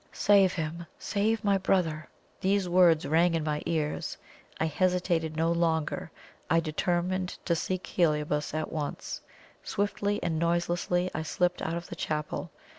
"Save him save my brother!" These words rang in my ears. I hesitated no longer I determined to seek Heliobas at once. Swiftly and noiselessly I slipped out of the chapel.